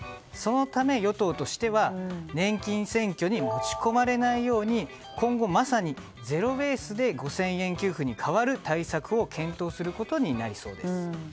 そのため与党としては年金選挙に持ち込まれないように今後、まさにゼロベースで５０００円給付に代わる対策を検討することになりそうです。